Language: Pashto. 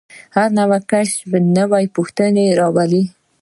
هر نوی کشف نوې پوښتنې راولي.